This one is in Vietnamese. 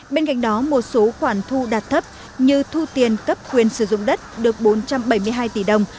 bên cạnh đó một số khoản thu đạt thấp như thu tiền cấp quyền sử dụng đất được bốn trăm bảy mươi hai tỷ đồng